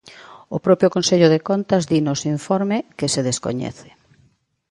O propio Consello de Contas di no seu informe que se descoñece.